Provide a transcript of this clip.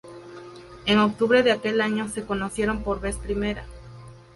En octubre de aquel año se conocieron por vez primera.